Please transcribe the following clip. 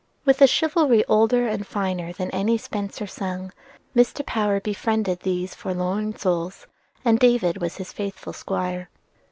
With a chivalry older and finer than any Spenser sung, Mr. Power befriended these forlorn souls, and David was his faithful squire.